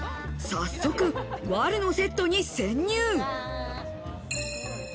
早速、『悪女』のセットに潜入。